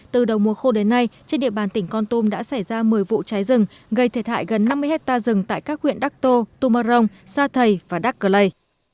từ đầu mùa khô đến nay trên địa bàn tỉnh con tum đã xảy ra một mươi vụ cháy rừng gây thiệt hại gần năm mươi hectare rừng tại các huyện đắc tô tumarong sa thầy và đắc cơ lây